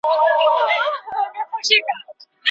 د بې وزله کورنیو ماشومانو سره د پوهنې وزارت څه مرسته کوي؟